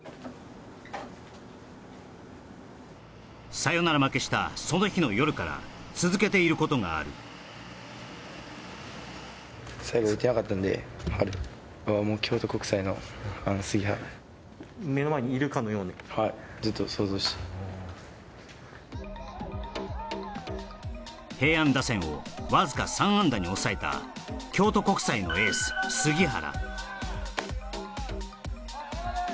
サヨナラ負けしたその日の夜から続けていることがある平安打線をわずか３安打に抑えた京都国際のエース杉原